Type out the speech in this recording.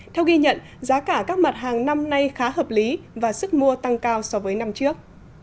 theo ghi nhận giá cả các mặt hàng năm nay khá hợp lý và sức mua tăng cao so với năm trước